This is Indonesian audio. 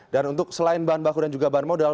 dan untuk selain bahan baku dan juga bahan modal